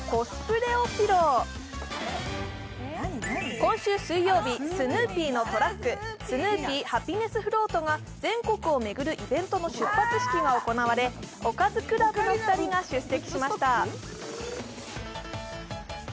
今週水曜日、スヌーピーのトラックスヌーピーハピネスフロートが全国を巡るイベントの出発式が行われ、おかずクラブの２人が出席。